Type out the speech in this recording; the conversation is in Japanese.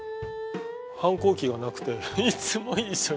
反抗期がなくていつも一緒にいます。